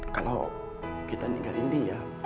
kalau kita ninggalin dia